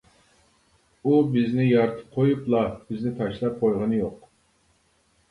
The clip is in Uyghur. ئۇ بىزنى يارىتىپ قويۇپلا، بىزنى تاشلاپ قويغىنى يوق.